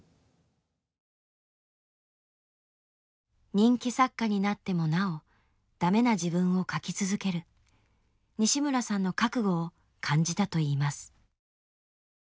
人気作家になってもなおダメな自分を書き続ける西村さんの覚悟を感じたといいます。